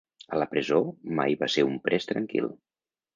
A la presó mai va ser un pres tranquil.